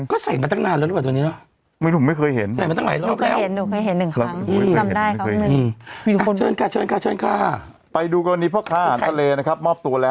ก็ใส่มาตั้งไหนกว่านี้บอกนะ